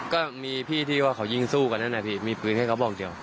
ก็มีพี่ที่ว่าเขายิงสู้กันนั่นนะพี่มีปืนให้เขาบอกเดียว